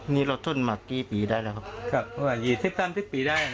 นี่เราทดมากกี่ปีได้แล้วครับ